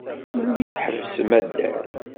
Melmi i tḥebsem addal?